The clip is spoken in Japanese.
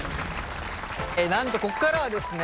なんとここからはですね